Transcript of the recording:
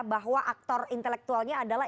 bahwa aktor intelektualnya adalah